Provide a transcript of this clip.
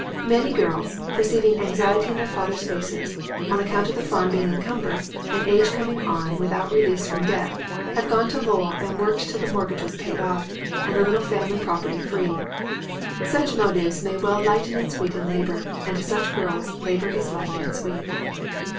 Many girls, perceiving anxiety in their fathers' faces, on account of the farm being incumbered, and age coming on without release from the debt, have gone to Lowell, and worked till the mortgage was paid off, and the little family property free. Such motives may well lighten and sweeten labor; and to such girls labor is light and sweet.